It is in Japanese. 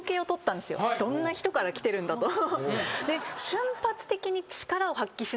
どんな人から来てるんだと。